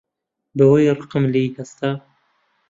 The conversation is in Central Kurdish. بە وەی ڕقم لێی هەستا